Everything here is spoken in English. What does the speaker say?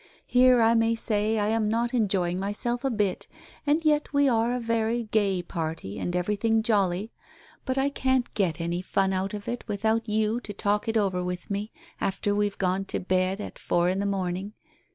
Here I may say I am not enjoying my self a bit, and yet we are a very gay party and everything jolly. But I can't get any fun out of it without you to talk it over with me, after we've gone to bed at four in the morning.